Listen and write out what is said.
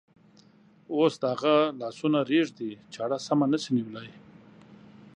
اوس د هغه لاسونه رېږدي، چاړه سمه نشي نیولی.